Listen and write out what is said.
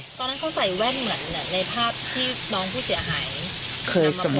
ตอนนั้นเขาใส่แว่นเหมือนในภาพที่น้องผู้เสียหาย